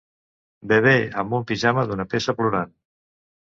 Bebè amb un pijama d'una peça plorant